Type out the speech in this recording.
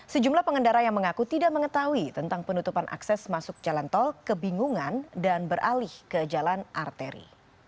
sejumlah pengendara yang mengaku tidak mengetahui tentang penutupan akses masuk jalan tol kebingungan dan beralih ke jalan arteri